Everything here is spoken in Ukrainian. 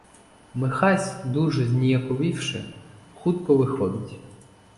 Михась, дуже зніяковівши, хутко виходить.